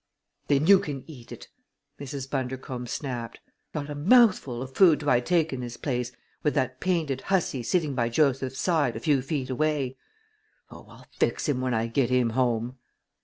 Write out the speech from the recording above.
"Then you can eat it!" Mrs. Bundercombe snapped. "Not a mouthful of food do I take in this place with that painted hussy sitting by Joseph's side a few feet away! Oh, I'll fix him when I get him home!"